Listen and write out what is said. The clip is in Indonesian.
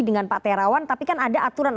dengan pak terawan tapi kan ada aturan